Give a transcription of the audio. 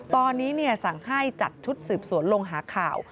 ตอนนี้สั่งให้จัดชุดสืบสวนลงหาข่าว